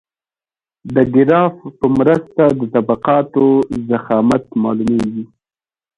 د ګراف په مرسته د طبقاتو ضخامت معلومیږي